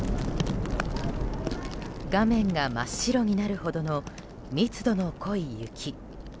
画面が真っ白になるほどの密度の濃い雪。